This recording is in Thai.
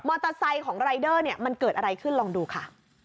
เตอร์ไซค์ของรายเดอร์เนี่ยมันเกิดอะไรขึ้นลองดูค่ะ